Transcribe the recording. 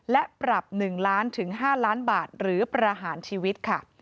และปรับ๑ล้านถึง๕ล้านบาทหรือประหารชีวิตค่ะ